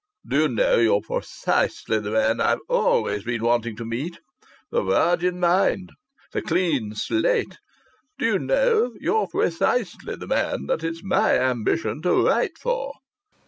Do you know, you're precisely the man I've always been wanting to meet?... The virgin mind. The clean slate.... Do you know, you're precisely the man that it's my ambition to write for?"